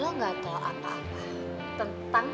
lo gak tau apa apa tentang hidup gue